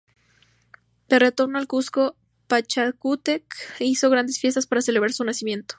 De retorno al Cuzco, Pachacútec hizo grandes fiestas para celebrar su nacimiento.